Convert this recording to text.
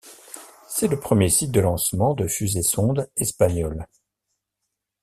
C'est le premier site de lancement de fusées-sondes espagnoles.